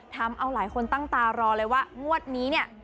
ทำเอาหลายคนตั้งตารอเลยว่างวดนี้เนี่ย